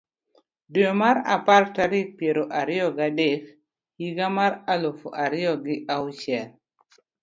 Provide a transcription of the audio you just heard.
dwe mar apar tarik piero ariyo ga dek higa mar aluf ariyo gi auchiel ,